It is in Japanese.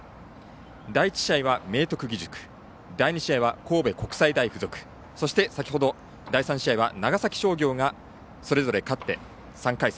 第１試合は明徳義塾第２試合は神戸国際大付属そして先ほど第３試合は長崎商業がそれぞれ勝って３回戦